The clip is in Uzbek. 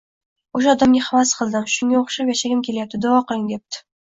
O`sha odamga havas qildim, shunga o`xshab yashagim kelyapti, duo qiling, debdi